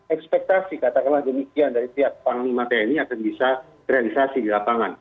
ekspektasi katakanlah demikian dari setiap panglima tni akan bisa terrealisasi di lapangan